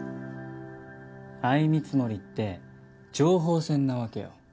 相見積もりって情報戦なわけよ。